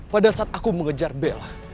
pada saat aku mengejar bella